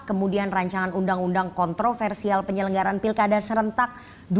kemudian rancangan undang undang kontroversial penyelenggaran pilkada serentak dua ribu delapan belas